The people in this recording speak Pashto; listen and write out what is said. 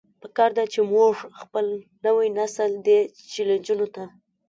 پکار ده چې مونږ خپل نوے نسل دې چيلنجونو ته